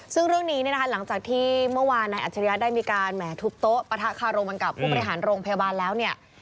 ซึ่งเรื่องนี้เนี่ยนะคะหลังจากที่เมื่อวานนายอัจฉริยะได้มีการแหมทุบโต๊ะปะทะคารมกันกับผู้บริหารโรงพยาบาลแล้วเนี่ย